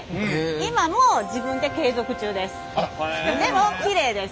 今も自分で継続中です。